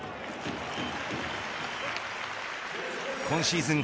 今シーズン